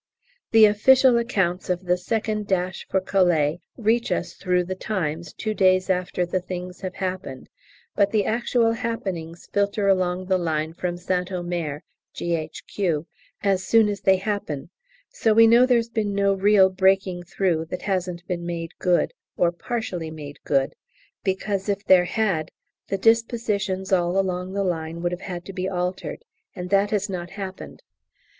The official accounts of the second dash for Calais reach us through 'The Times' two days after the things have happened, but the actual happenings filter along the line from St Omer (G.H.Q.) as soon as they happen, so we know there's been no real "breaking through" that hasn't been made good, or partially made good, because if there had, the dispositions all along the line would have had to be altered, and that has not happened.